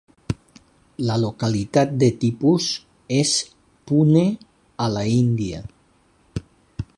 La localitat de tipus és Pune a la India.